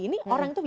jadi memang bahaya